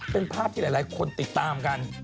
เป็นภาพที่หลายคนติดตามกัน